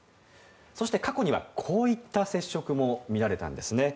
そして、過去にはこういった接触も見られたんです。